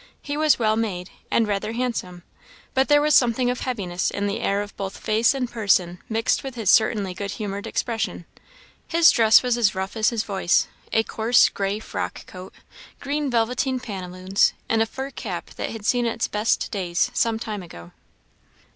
He was well made, and rather handsome, but there was something of heaviness in the air of both face and person mixed with his certainly good humoured expression. His dress was as rough as his voice a coarse gray frock coat, green velveteen pantaloons, and a fur cap that had seen its best days some time ago.